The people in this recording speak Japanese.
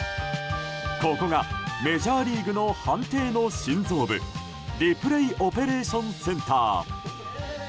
ここがメジャーリーグの判定の心臓部リプレイ・オペレーション・センター。